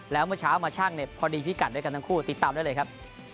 แล้วเมื่อเช้ามาช่างเนี่ยพอดีพิกัดด้วยกันทั้งคู่ติดตามได้เลยครับ